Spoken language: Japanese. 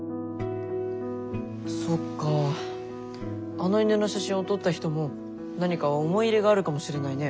あの犬の写真を撮った人も何か思い入れがあるかもしれないね。